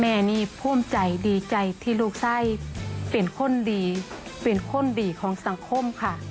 แม่นี่ภูมิใจดีใจที่ลูกไส้เป็นคนดีเป็นคนดีของสังคมค่ะ